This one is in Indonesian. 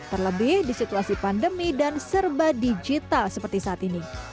terlebih di situasi pandemi dan serba digital seperti saat ini